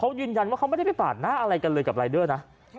เขายืนยันว่าเขาไม่ได้ไปปาดหน้าอะไรกันเลยกับรายเดอร์นะ